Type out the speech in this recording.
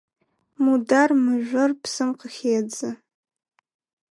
Мудар мыжъор псым къыхедзы.